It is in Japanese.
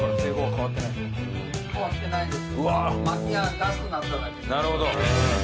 変わってないです。